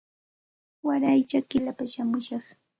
Waray chakillapa shamushaq